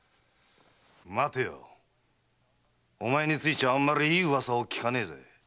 待てよお前についちゃあまりいい噂を聞かないぜ。